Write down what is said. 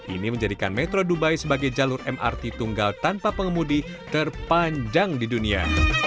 ini menjadikan metro dubai sebagai jalur mrt tunggal tanpa pengemudi terpanjang di dunia